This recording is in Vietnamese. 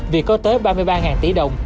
vì có tới ba mươi ba tỷ đồng